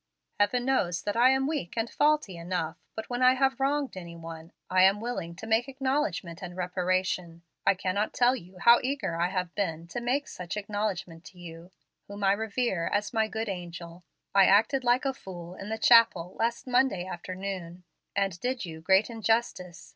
"Heaven knows that I am weak and faulty enough, but when I have wronged any one, I am willing to make acknowledgment and reparation. I cannot tell you how eager I have been to make such acknowledgment to you, whom I revere as my good angel. I acted like a fool in the chapel last Monday afternoon, and did you great injustice.